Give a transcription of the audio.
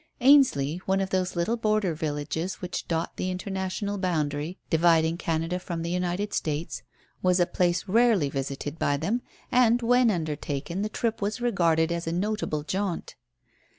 Ainsley, one of those little border villages which dot the international boundary dividing Canada from the United States, was a place rarely visited by them, and when undertaken the trip was regarded as a notable jaunt.